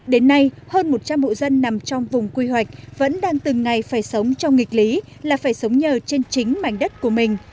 đến nay hơn một trăm linh hộ dân nằm trong vùng quy hoạch vẫn đang từng ngày phải sống trong nghịch lý là phải sống nhờ trên chính mảnh đất của mình